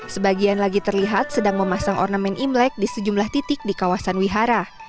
sebagian lagi terlihat sedang memasang ornamen imlek di sejumlah titik di kawasan wihara